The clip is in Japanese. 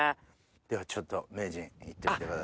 ではちょっと名人いってみてください。